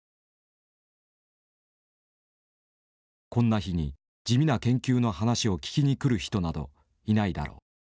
こんな日に地味な研究の話を聞きに来る人などいないだろう